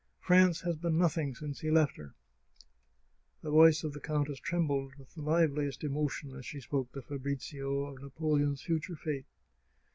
France has been nothing since he left her !" The voice of the countess trembled with the liveliest emotion as she spoke to Fabrizio of Napoleon's future fate.